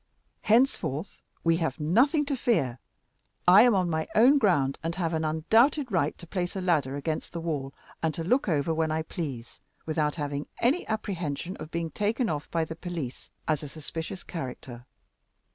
Henceforth we have nothing to fear. I am on my own ground, and have an undoubted right to place a ladder against the wall, and to look over when I please, without having any apprehensions of being taken off by the police as a suspicious character.